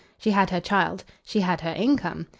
She had her child. She had her income.